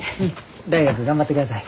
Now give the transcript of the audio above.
大学頑張ってください。